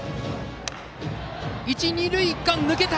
一、二塁間を抜けた。